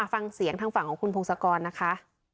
ฟังเสียงทางฝั่งของคุณพงศกรนะคะ